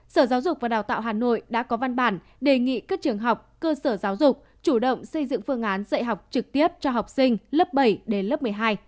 sở giáo dục và đào tạo hà nội đã có văn bản đề nghị các trường học cơ sở giáo dục chủ động xây dựng phương án dạy học trực tiếp cho học sinh lớp bảy đến lớp một mươi hai